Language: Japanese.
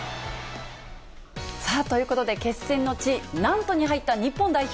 さあ、ということで決戦の地、ナントに入った日本代表。